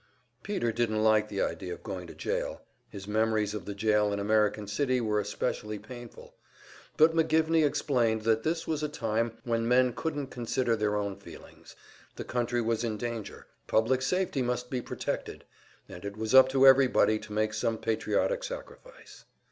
Peter didn't like the idea of going to jail; his memories of the jail in American City were especially painful. But McGivney explained that this was a time when men couldn't consider their own feelings; the country was in danger, public safety must be protected, and it was up to everybody to make some patriotic sacrifice.